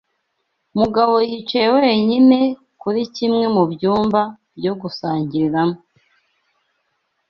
Mugabo yicaye wenyine kuri kimwe mu byumba byo gusangiriramo.